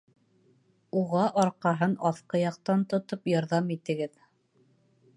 Уға арҡаһын аҫҡы яҡтан тотоп ярҙам итегеҙ.